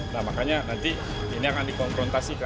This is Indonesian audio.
nah makanya nanti ini akan dikonfrontasi